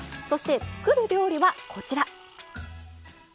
そして、作る料理は、こちら。